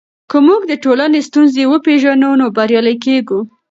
که موږ د ټولنې ستونزې وپېژنو نو بریالي کیږو.